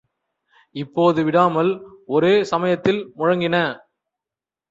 இப்போது விடாமல் ஒரே சமயத்தில் முழங்கின.